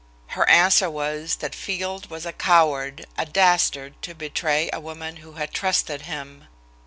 Her answer was that Field was a coward, a dastard to betray a woman who had trusted him.